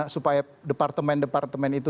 supaya departemen departemen itu